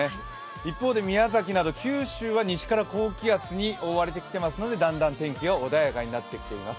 一方で宮崎など九州は西から高気圧に覆われてきていますのでだんだん天気が穏やかになってきています。